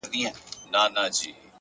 هوښیار انسان له هرې تجربې ګټه اخلي.!